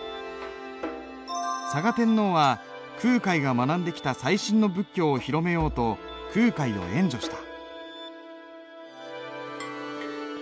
嵯峨天皇は空海が学んできた最新の仏教を広めようと空海を援助した。